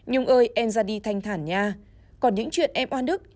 nhung ơi em ra đi thanh thản nha còn những chuyện em oan đức